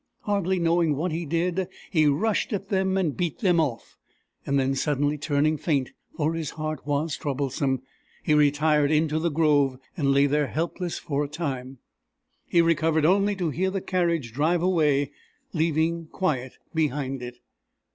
Hardly knowing what he did, he rushed at them and beat them off. Then suddenly turning faint, for his heart was troublesome, he retired into the grove, and lay there helpless for a time. He recovered only to hear the carriage drive away, leaving quiet behind it.